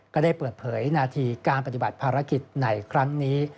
ก็ได้เปิดเผยนาทีการปฏิบัติภารกิจในครั้งนี้